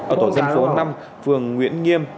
ở tổ dân phố năm phường nguyễn nghiêm